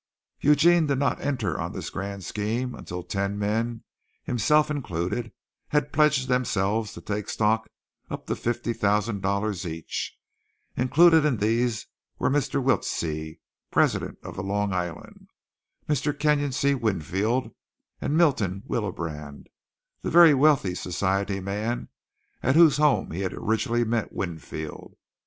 Eugene did not enter on this grand scheme until ten men, himself included, had pledged themselves to take stock up to $50,000 each. Included in these were Mr. Wiltsie, President of the Long Island; Mr. Kenyon C. Winfield, and Milton Willebrand, the very wealthy society man at whose home he had originally met Winfield.